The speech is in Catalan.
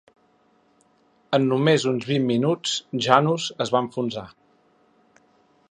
En només uns vint minuts "Janus" es va enfonsar.